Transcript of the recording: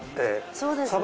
そうですね。